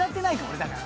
俺だから。